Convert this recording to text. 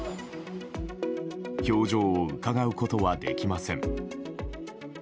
表情をうかがうことはできません。